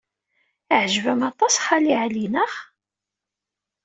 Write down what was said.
Yeɛjeb-am aṭas Xali Ɛli, naɣ?